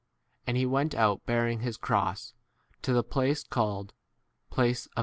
W And he went out bearing his cross, to the place called [place] of a cify.'